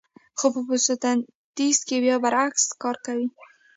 خو په فتوسنتیز کې بیا برعکس کار کوي